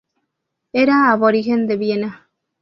Era aborigen de Viena.